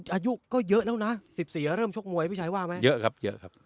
อายุก็เยอะแล้วนะ๑๔เริ่มชกมวยพี่ชัยว่าไหมเยอะครับเยอะครับ